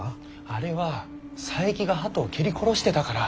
あれは佐伯がハトを蹴り殺してたから。